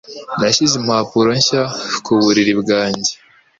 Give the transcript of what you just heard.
Nashyize impapuro nshya ku buriri bwanjye.